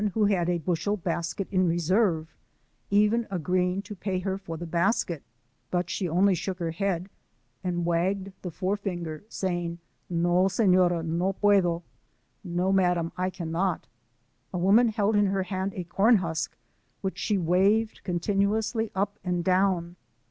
73 who had a bushel basket in reserve, even agreeing to pay her for the basket ; but she only shook her head, and wagged the forefinger, say ing, ''No, senoruy no puedo*' — ("No, madame, I cannot "). A woman held in her hand a corn husk, which she waved continuously up and down.